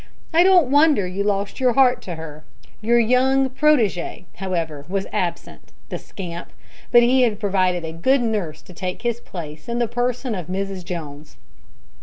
I don't wonder you lost your heart to her. Your young protege, however, was absent the scamp! but he had provided a good nurse to take his place in the person of Mrs Jones."